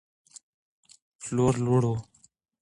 پلور لوړ و.